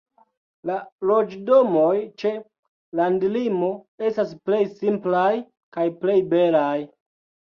La loĝdomoj ĉe landlimo estas plej simplaj kaj plej belaj.